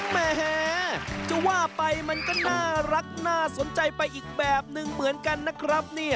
แหมจะว่าไปมันก็น่ารักน่าสนใจไปอีกแบบนึงเหมือนกันนะครับเนี่ย